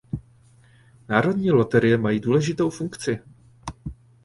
Národní loterie mají důležitou funkci.